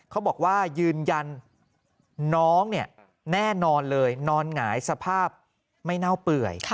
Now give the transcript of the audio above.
เขาบอกว่ายืนยันน้องเนี่ยแน่นอนเลยนอนหงายสภาพไม่เน่าเปื่อย